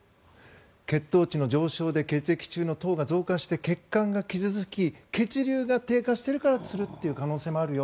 血糖値の上昇で血液中の糖が増加して血管が傷付き血流が低下しているからつるという可能性もあるよ。